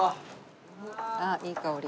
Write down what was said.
あっいい香り。